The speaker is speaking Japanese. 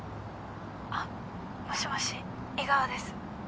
あっもしもし井川です。